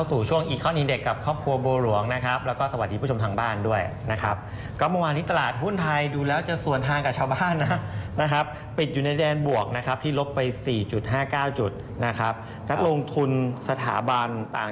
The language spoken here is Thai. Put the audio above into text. อุณหภาคซื้อขายโดยรวมอยู่ที่ประมาณ๓๓๐๐๐พันกว่าร้าน